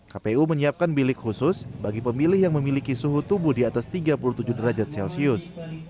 kpu menyiapkan bilik khusus bagi pemilih yang memiliki suhu tubuh di atas tiga puluh tujuh derajat celcius